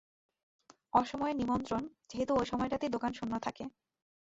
অসময়ে নিমন্ত্রণ, যেহেতু ঐ সময়টাতেই দোকান শূন্য থাকে।